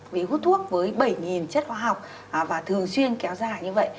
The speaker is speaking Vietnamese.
vì hút thuốc với bảy chất hóa học và thường xuyên kéo ra như vậy